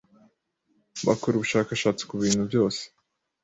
bakora ubushakashatsi ku bintu byose